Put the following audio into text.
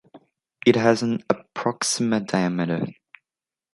It has an approximate diameter.